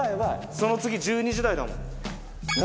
その次１２時台だもん。